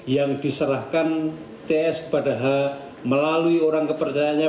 yang diserahkan ts kepada h melalui orang kepercayaannya